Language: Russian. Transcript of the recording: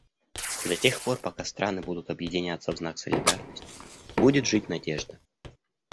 До тех пор пока страны будут объединяться в знак солидарности, будет жить надежда.